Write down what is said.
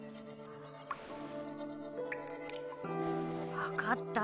分かった。